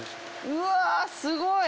うわすごい。